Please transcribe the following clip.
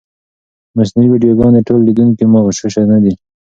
مصنوعي ویډیوګانې ټول لیدونکي مغشوشوي نه.